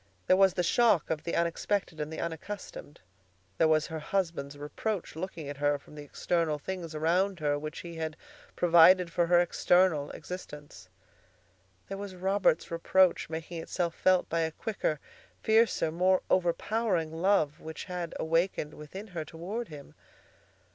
There was the shock of the unexpected and the unaccustomed. There was her husband's reproach looking at her from the external things around her which he had provided for her external existence. There was Robert's reproach making itself felt by a quicker, fiercer, more overpowering love, which had awakened within her toward him.